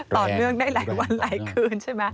ต่อเนื่องได้หลายวันหลายคืนใช่ไหม